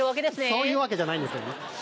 そういうわけじゃないんですけどね。